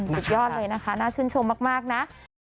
สุดยอดเลยนะคะน่าชื่นชมมากนะ